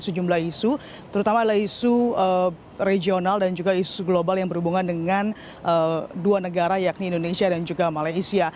sejumlah isu terutama adalah isu regional dan juga isu global yang berhubungan dengan dua negara yakni indonesia dan juga malaysia